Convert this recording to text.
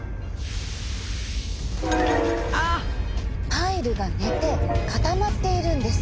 パイルが寝て固まっているんです！